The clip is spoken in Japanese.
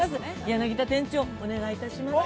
柳田さん、お願いします。